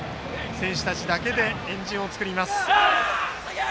選手たちだけで円陣を作りました。